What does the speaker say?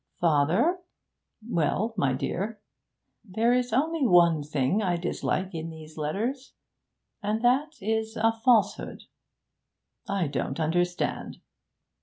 'Father ' 'Well, my dear?' 'There is only one thing I dislike in these letters and that is a falsehood.' 'I don't understand.'